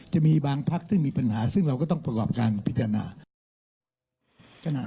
จะมีบางพักที่มีปัญหาซึ่งเราก็ต้องประกอบการมาพิจารณา